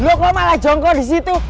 lo kok malah jongkok disitu